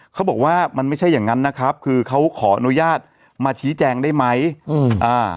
เขาบอกว่ามันไม่ใช่อย่างงั้นนะครับคือเขาขออนุญาตมาชี้แจงได้ไหมอืมอ่า